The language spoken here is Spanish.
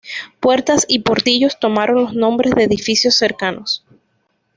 Puertas y portillos tomaron los nombres de edificios cercanos.